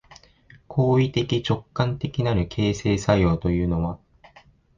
行為的直観的なる形成作用というのは、